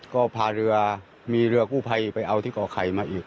ก็พาเรือมีเรือกู้ภัยไปเอาที่ก่อไข่มาอีก